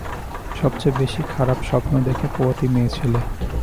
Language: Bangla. সবচেয়ে বেশি খারাপ স্বপ্ন দেখে পোয়াতি মেয়েছেলে।